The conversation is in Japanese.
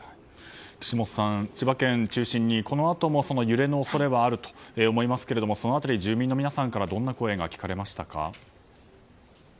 岸本さん、千葉県を中心にこのあとも揺れの恐れはあると思いますけれどもその辺り住民の皆さんからどんな声が聞かれましたか。